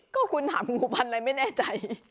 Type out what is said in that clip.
ก็คุณถามงูพันธุ์อะไรไม่แน่ใจ